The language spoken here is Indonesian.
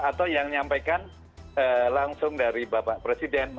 atau yang menyampaikan langsung dari bapak presiden